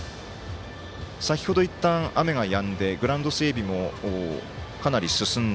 先ほどいったん、雨がやんでグラウンド整備もかなり進んだ。